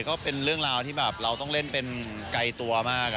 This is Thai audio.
ก็เป็นเรื่องราวที่แบบเราต้องเล่นเป็นไกลตัวมาก